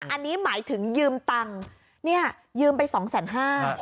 อันนี้หมายถึงยืมตังค์เนี่ยยืมไปสองแสนห้า